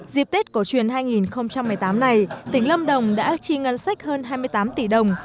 dịp tết cổ truyền hai nghìn một mươi tám này tỉnh lâm đồng đã chi ngân sách hơn hai mươi tám tỷ đồng